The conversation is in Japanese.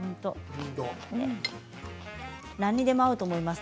何にでも合うと思います。